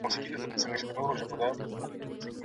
که نجونې روژه ماتي ورکړي نو ثواب به نه وي ضایع.